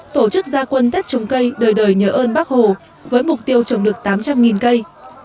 tổ chức gia quân tết trồng cây đời đời nhớ ơn bác hồ với mục tiêu trồng được tám trăm linh cây